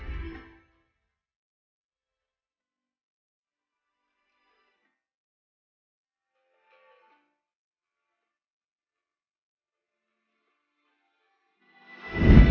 rena sekarang panggil om al